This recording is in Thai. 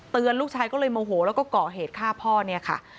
ลูกชายก็เลยโมโหแล้วก็ก่อเหตุฆ่าพ่อเนี่ยค่ะ